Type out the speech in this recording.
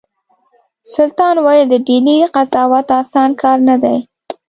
سلطان ویل د ډهلي قضاوت اسانه کار نه دی.